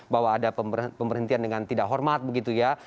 bahwa ada pemberhentian dengan tidak hormat begitu ya